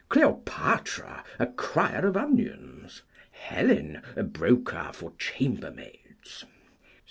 Cleopatra, a crier of onions. Helen, a broker for chambermaids.